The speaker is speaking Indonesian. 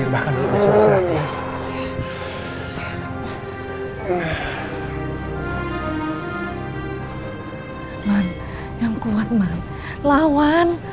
mas jangan lupa jangan lupa